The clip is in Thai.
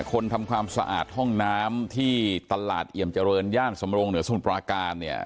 ทำความสะอาดห้องน้ำที่ตลาดเอี่ยมเจริญย่านสำรงเหนือสมุทรปราการเนี่ย